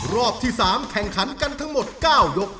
รอบที่๓แข่งขันกันทั้งหมด๙ยก